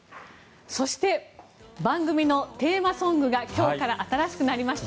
そして番組のテーマソングが今日から新しくなりました。